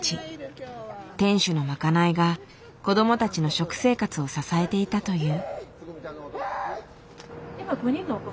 店主の賄いが子どもたちの食生活を支えていたという。